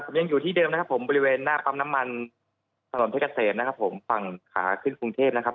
ผมยังอยู่ที่เดิมนะครับผมบริเวณหน้าปั๊มน้ำมันสนมเทกเกษมนะครับผม